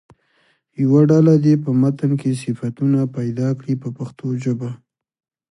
یوه ډله دې په متن کې صفتونه پیدا کړي په پښتو ژبه.